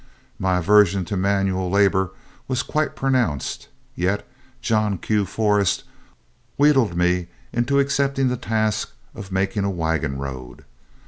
My aversion to manual labor was quite pronounced, yet John Q. Forrest wheedled me into accepting the task of making a wagon road.